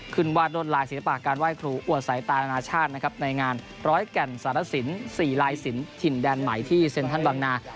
ขึ้นว่าโดนรายศิลปะการไหว้ครูอวสัยตาอนาชาติในงานร้อยแก่นสารศิลป์สี่รายศิลป์ถิ่นแดนใหม่ที่เซ็นทรัลบังนา